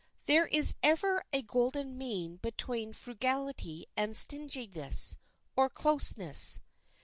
There is ever a golden mean between frugality and stinginess, or closeness.